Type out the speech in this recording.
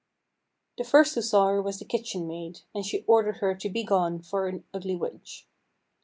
The first who saw her was the kitchen maid, and she ordered her to be gone for an ugly witch.